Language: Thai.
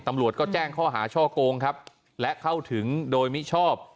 ตำรวจก็แจ้งข้อหาช่อโกงครับและเข้าถึงโดยมิชอบ